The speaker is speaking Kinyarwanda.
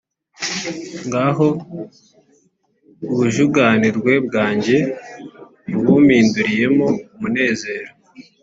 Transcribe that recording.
Ngaha ubujuganirwe bwanjye ubumpinduriyemo umunezero,